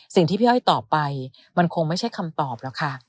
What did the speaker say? สิ่งที่พี่อ้อยตอบไปมันคงไม่ใช่คำตอบหรอกค่ะ